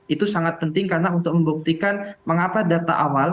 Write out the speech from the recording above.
itu sangat penting karena untuk membuktikan mengapa data awal